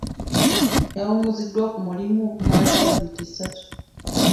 Yawummuziddwa ku mulimu okumala sabbiiti ssatu.